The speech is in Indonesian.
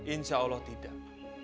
insya allah tidak